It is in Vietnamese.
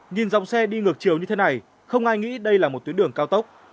nhìn dòng xe đi ngược chiều như thế này không ai nghĩ đây là một tuyến đường cao tốc